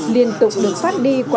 liên tục được phát đi qua nhiều lúc